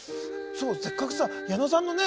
せっかくさ矢野さんのね